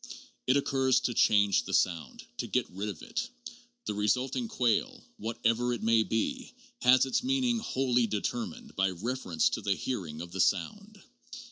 It occurs to change the sound, to get rid of it. The resulting quale, whatever it may be, has its meaning wholly determined by reference to the hearing of the sound.